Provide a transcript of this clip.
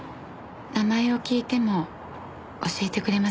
名前を聞いても教えてくれませんでした。